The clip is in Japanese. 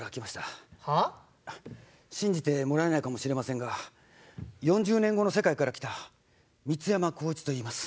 信じてもらえないかもしれませんが４０年後の世界から来た三ツ山宏一といいます！